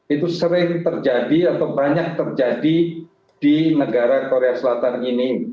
itu sering terjadi atau banyak terjadi di negara korea selatan ini